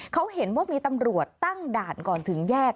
เขาเห็นว่ามีตำรวจตั้งด่านก่อนถึงแยก